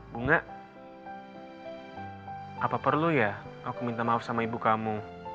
bunga apa perlu ya aku minta maaf sama ibu kamu